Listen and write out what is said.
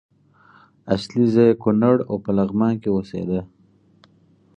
اصلي ځای یې کونړ او په لغمان کې اوسېده.